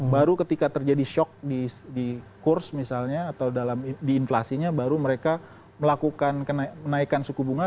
baru ketika terjadi shock di kurs misalnya atau di inflasinya baru mereka melakukan kenaikan suku bunga